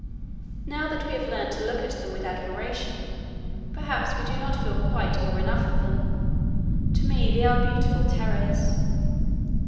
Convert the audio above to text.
Now that we have learned to look at them with admiration, perhaps we do not feel quite awe enough of them. To me they are beautiful terrors.